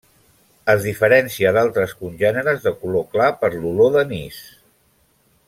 Es diferencia d'altres congèneres de color clar per l'olor d'anís.